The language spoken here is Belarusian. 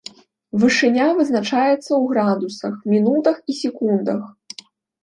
Вышыня вызначаецца ў градусах, мінутах і секундах.